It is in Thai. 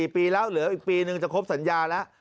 ปีแล้วเหลืออีกปีนึงจะครบสัญญาแล้ว